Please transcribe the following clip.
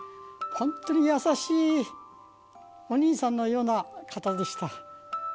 本当に優しいお兄さんのような方でした。